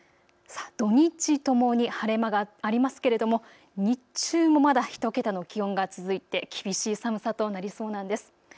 土日ともに晴れ間がありますけれども日中もまだ１桁の気温が続いて厳しい寒さとなりそうなんです。